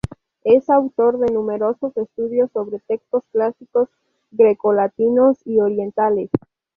Es autor de numerosos estudios sobre textos clásicos grecolatinos y orientales.